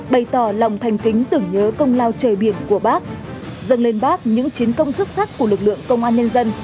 bày tỏ lòng thành kính tưởng nhớ công lao trời biển của bác dâng lên bác những chiến công xuất sắc của lực lượng công an nhân dân